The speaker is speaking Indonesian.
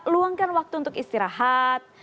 luangkan waktu untuk istirahat